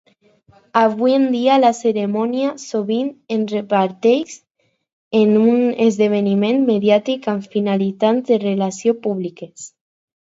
Avui en dia, la cerimònia sovint es reparteix en un esdeveniment mediàtic amb finalitats de relacions públiques.